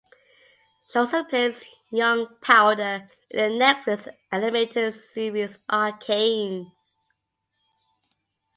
She also plays Young Powder in the Netflix animated series "Arcane".